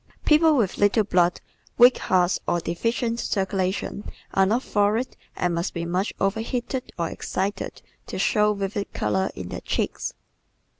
People with little blood, weak hearts or deficient circulation are not florid and must be much overheated or excited to show vivid color in their cheeks.